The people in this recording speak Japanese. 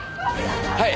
はい。